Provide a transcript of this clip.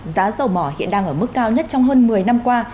giá dầu mỏ hiện đang ở mức cao nhất trong hơn một mươi năm qua